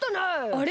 あれ？